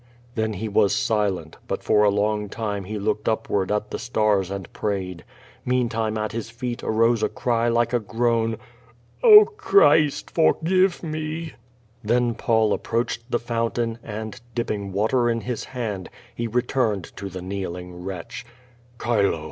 Then he was silent, but for a long time he looked upward at the stars and prayed. Meantime at his feet arose a cry like a groan. "Oh, Christ! forgive me!" Then Paul approached the fountain, and, dipping water in his hand, he returned to the kneeling wretch. "Chilo!